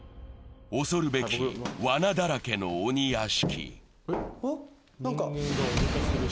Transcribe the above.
恐るべき、わなだらけの鬼屋敷。